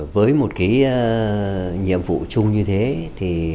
với một cái nhiệm vụ chung như thế thì